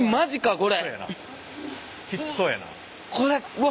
これ。